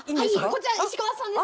こちら石川さんです。